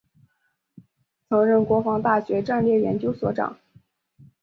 曾任国防大学战略研究所长。